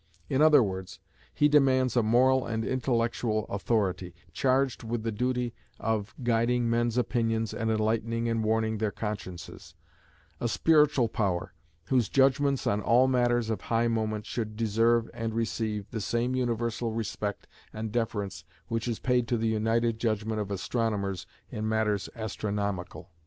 In other words, he demands a moral and intellectual authority, charged with the duty of guiding men's opinions and enlightening and warning their consciences; a Spiritual Power, whose judgments on all matters of high moment should deserve, and receive, the same universal respect and deference which is paid to the united judgment of astronomers in matters astronomical.